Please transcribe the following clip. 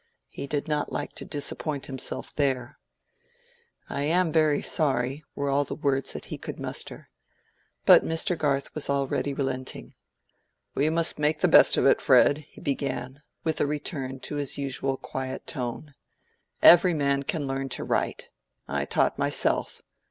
He did not like to disappoint himself there. "I am very sorry," were all the words that he could muster. But Mr. Garth was already relenting. "We must make the best of it, Fred," he began, with a return to his usual quiet tone. "Every man can learn to write. I taught myself.